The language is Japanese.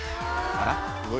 あら？